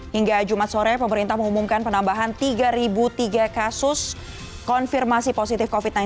hingga jumat sore pemerintah mengumumkan penambahan tiga tiga kasus konfirmasi positif covid sembilan belas